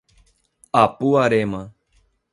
Apuarema